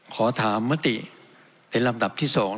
ขอถามมติในลำดับที่สอง